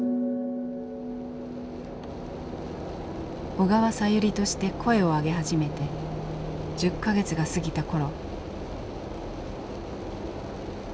「小川さゆり」として声を上げ始めて１０か月が過ぎた頃。